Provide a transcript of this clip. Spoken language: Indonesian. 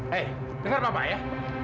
hei dengar papa ya